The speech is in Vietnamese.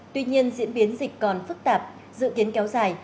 tuy nhiên diễn biến dịch còn phức tạp dự kiến kéo dài